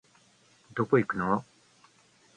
どこ行くのお